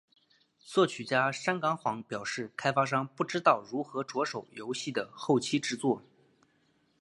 作曲家山冈晃表示开发商不知道如何着手游戏的后期制作。